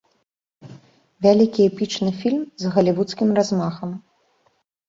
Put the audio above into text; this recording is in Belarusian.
Вялікі эпічны фільм з галівудскім размахам.